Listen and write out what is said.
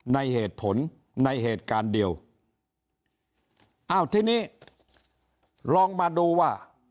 ในเหตุผลในเหตุการณ์เดียวอ้าวทีนี้ลองมาดูว่า